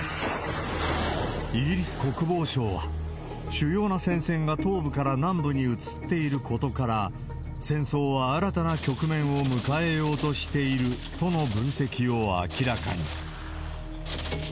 イギリス国防省は、主要な戦線が東部から南部に移っていることから、戦争は新たな局面を迎えようとしているとの分析を明らかに。